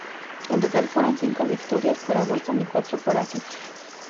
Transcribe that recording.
En total fueron cinco victorias para Boston y cuatro para St.